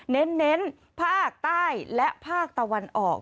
เน้นภาคใต้และภาคตะวันออก